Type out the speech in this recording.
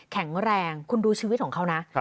แข็งแรงคุณดูชีวิตของเขานะ